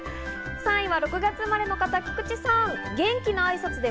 ３位は６月生まれの方、菊地さん。